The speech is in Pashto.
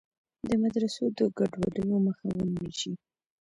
د مدرسو د ګډوډیو مخه ونیول شي.